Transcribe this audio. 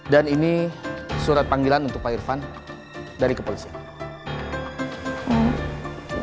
dan ini surat panggilan untuk pak irfan dari kepolisian